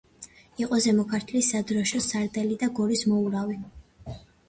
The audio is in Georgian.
იყო ზემო ქართლის სადროშოს სარდალი და გორის მოურავი.